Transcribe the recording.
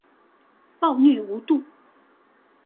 暴虐無度